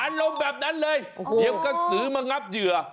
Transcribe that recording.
อารมณ์แบบนั้นเลยเดี๋ยวกระสือมางับเหยื่อ